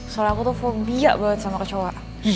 soal aku tuh fobia banget sama kecoa